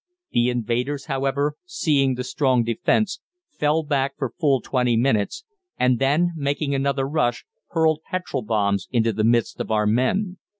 The invaders, however, seeing the strong defence, fell back for full twenty minutes, and then, making another rush, hurled petrol bombs into the midst of our men.